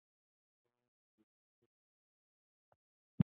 هغه وویل چې پښتو زما مورنۍ ژبه ده.